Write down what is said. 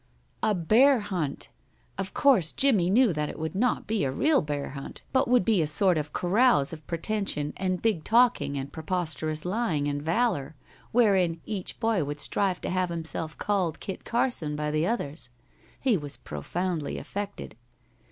A bear hunt! Of course Jimmie knew that it would not be a real bear hunt, but would be a sort of carouse of pretension and big talking and preposterous lying and valor, wherein each boy would strive to have himself called Kit Carson by the others. He was profoundly affected.